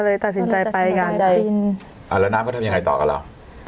ก็เลยตัดสินใจไปกันตัดสินใจบินอ่าแล้วน้ำก็ทำยังไงต่อกับเรา